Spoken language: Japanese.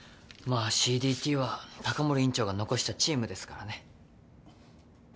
まあＣＤＴは高森院長が残したチームですからね。